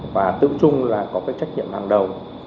và tự trung là có trách nhiệm hàng đầu